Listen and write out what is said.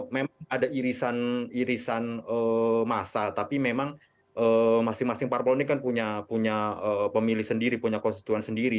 memang ada irisan irisan masa tapi memang masing masing parpol ini kan punya pemilih sendiri punya konstituen sendiri